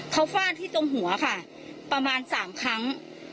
เขาฟาดที่ตรงหัวค่ะประมาณ๓ครั้ง